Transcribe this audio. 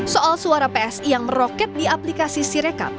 soal suara psi yang meroket di aplikasi sirekap